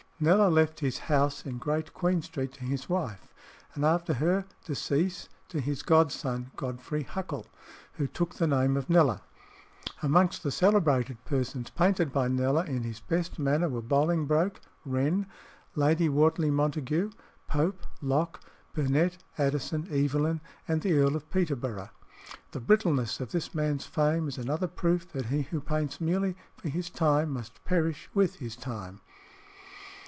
Kneller left his house in Great Queen Street to his wife, and after her decease to his godson Godfrey Huckle, who took the name of Kneller. Amongst the celebrated persons painted by Kneller in his best manner were Bolingbroke, Wren, Lady Wortley Montague, Pope, Locke, Burnet, Addison, Evelyn, and the Earl of Peterborough. The brittleness of this man's fame is another proof that he who paints merely for his time must perish with his time.